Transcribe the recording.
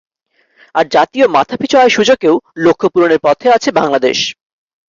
আর জাতীয় মাথাপিছু আয় সূচকেও লক্ষ্য পূরণের পথে আছে বাংলাদেশ।